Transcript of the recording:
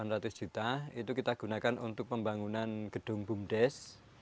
rp enam ratus juta itu kita gunakan untuk pembangunan gedung bumdes